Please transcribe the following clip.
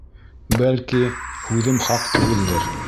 Бәлки, һүҙем хаҡ түгелдер.